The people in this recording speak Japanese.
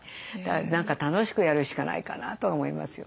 何か楽しくやるしかないかなとは思いますよね。